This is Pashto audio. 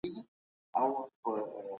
هغه خوښي چي د بل په ژړا ولاړه وي سعادت نه دی.